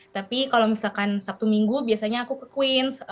tapi kalau misalkan sabtu minggu biasanya aku ke queens